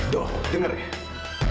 do denger ya